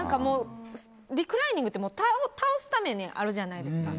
リクライニングって倒すためにあるじゃないですか。